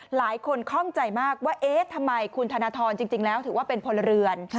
คล่องใจมากว่าเอ๊ะทำไมคุณธนทรจริงแล้วถือว่าเป็นพลเรือน